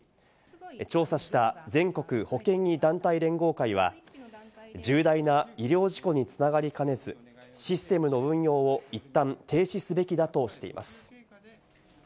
調査した全国保険医団体連合会は重大な医療事故に繋がりかねず、システムの運用をいったん停止すべきだとしています。